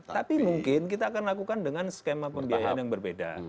tapi mungkin kita akan lakukan dengan skema pembiayaan yang berbeda